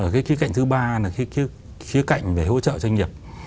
cái kế cạnh thứ ba là kế cạnh về hỗ trợ doanh nghiệp